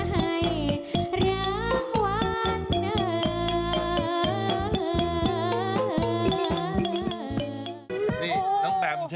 น้ำตาตกโคให้มีโชคเมียรสิเราเคยคบกันเหอะน้ำตาตกโคให้มีโชค